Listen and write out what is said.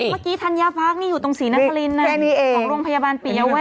เมื่อกี้ธัญาพักษ์นี่อยู่ตรงศรีนครินทร์นั่นออกโรงพยาบาลปีเยาะแวะ